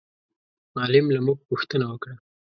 معلم له موږ پوښتنه وکړه.